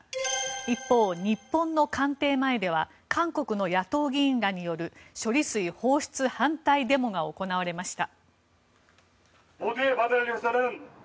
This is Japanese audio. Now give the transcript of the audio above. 一方、日本の官邸前では韓国の野党議員らによる処理水放出反対デモが行われました。